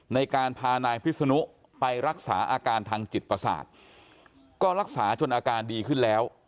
ในการพานายพิศนุไปรักษาอาการทางจิตประสาทก็รักษาจนอาการดีขึ้นแล้ว